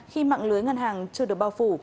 khi mạng lưới ngân hàng chưa được bao phủ